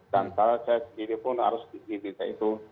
dan saya sendiri pun harus dihintai itu